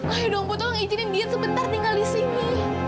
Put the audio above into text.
ayo dong bu tolong izinin dia sebentar tinggal di sini